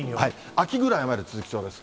秋ぐらいまで続きそうです。